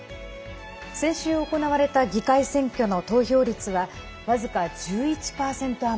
先週行われた議会選挙の投票率は僅か１１％余り。